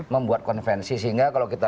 membuat konvensi sehingga kalau kita